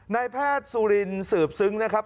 นายแพทย์สุรินสืบซึ้งนะครับ